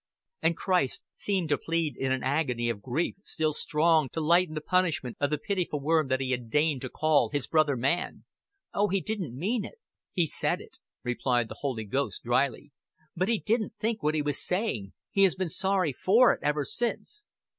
And Christ seemed to plead in an agony of grief still strove to lighten the punishment of the pitiful worm that he had deigned to call His brother man. "Oh, he didn't mean it." "He said it," replied the Holy Ghost, dryly. "But he didn't think what he was saying he has been sorry for it ever since."